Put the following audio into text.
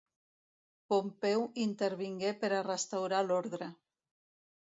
Pompeu intervingué per a restaurar l’ordre.